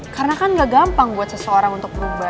karena kan gak gampang buat seseorang untuk berubah